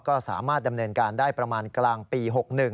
ก็สามารถดำเนินการได้ประมาณกลางปี๖๑